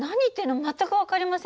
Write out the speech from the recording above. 全く分かりませんけど。